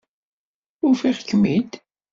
Ufiɣ-kem-id.